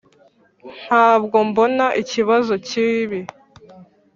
ntabwo mbona ikibazo cyibi.